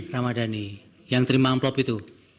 ramadhani yang terima amplop itu